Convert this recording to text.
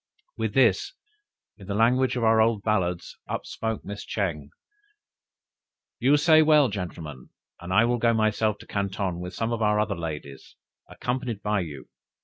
With this, in the language of our old ballads, upspoke Mrs. Ching. "You say well, gentlemen! and I will go myself to Canton with some other of our ladies, accompanied by you!"